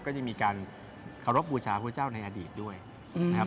ก็จะมีการเคารพบูชาพระเจ้าในอดีตด้วยนะครับ